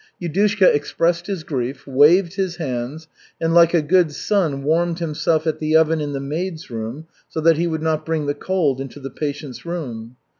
Yudushka expressed his grief, waved his hands, and like a good son, warmed himself at the oven in the maids' room so that he would not bring the cold into the patient's room.